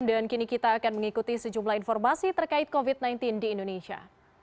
dan kini kita akan mengikuti sejumlah informasi terkait covid sembilan belas di indonesia